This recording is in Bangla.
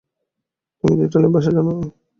তুমি তো ইটালির ভাষা জানো না।